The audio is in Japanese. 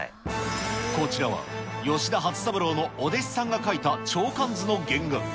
こちらは吉田初三郎のお弟子さんが描いた鳥観図の原画。